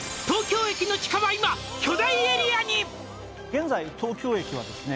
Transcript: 現在東京駅はですね